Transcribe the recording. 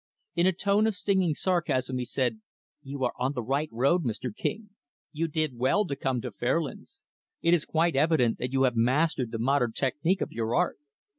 In a tone of stinging sarcasm he said. "You are on the right road, Mr. King. You did well to come to Fairlands. It is quite evident that you have mastered the modern technic of your art.